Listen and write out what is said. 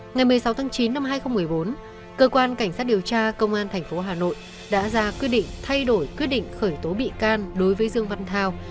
ngày một mươi sáu tháng chín năm hai nghìn một mươi bốn cơ quan cảnh sát điều tra công an tp hà nội đã ra quyết định thay đổi quyết định khởi tố bị can đối với dương văn thao